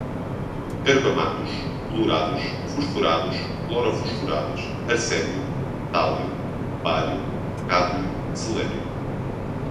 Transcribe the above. carbamatos, clorados, fosforados, clorofosforados, arsênio, tálio, bário, cádmio, selênio